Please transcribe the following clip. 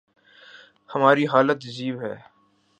ہماری حالت عجیب ہے۔